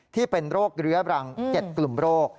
ที่เป็นโรคเรื้อบรัง๗กลุ่มโรค